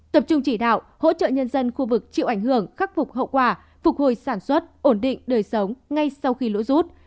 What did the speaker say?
tập trung chỉ đạo hỗ trợ nhân dân khu vực chịu ảnh hưởng khắc phục hậu quả phục hồi sản xuất ổn định đời sống ngay sau khi lũ rút